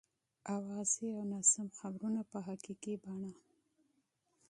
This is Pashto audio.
اوازې او ناسم خبرونه په حقیقي بڼه.